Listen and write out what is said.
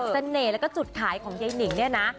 เสน่ห์แล้วก็จุดขายของยายนิงเนี่ยนะ